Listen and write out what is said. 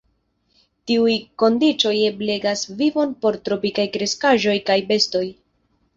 Tiuj kondiĉoj ebligas vivon por tropikaj kreskaĵoj kaj bestoj.